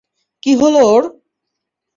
কী হলো ওর?